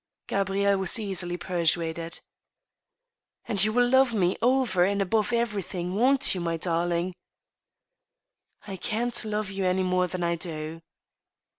Gabrielle was easily persuaded. " And you will love me, over and above everything — ^won't you, my darling ?"" I can't love you any more than I do."